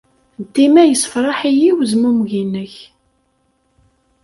Dima yessefṛaḥ-iyi wezmumeg-nnek.